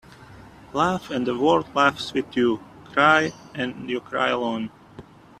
Laugh and the world laughs with you. Cry and you cry alone.